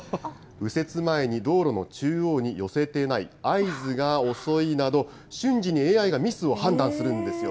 右折前に道路の中央に寄せてない、合図が遅いなど、瞬時にＡＩがミスを判断するんですよ。